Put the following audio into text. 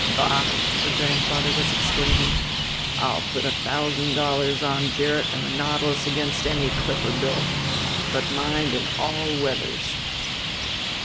"Bah!" her grandfather was exclaiming. "I'll put a thousand dollars on Gerrit and the Nautilus against any clipper built; but mind, in all weathers."